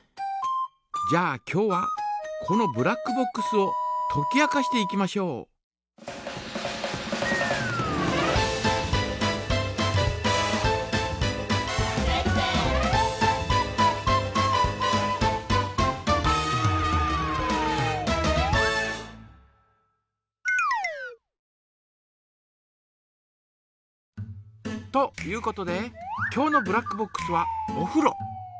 じゃあ今日はこのブラックボックスをとき明かしていきましょう。ということで今日のブラックボックスはおふろ。